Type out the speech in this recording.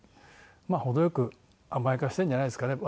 程良く甘やかしたいんじゃないですかね